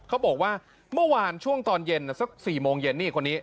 เขาบอกว่าเมื่อวานช่วงตอนเย็นสัก๔โมงเย็นนี่คนนี้